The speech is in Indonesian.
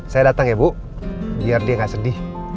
saya datang ya bu biar dia nggak sedih